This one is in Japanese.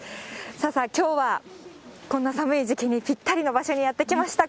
さあさあ、きょうはこんな寒い時期にぴったりの場所にやって来ました。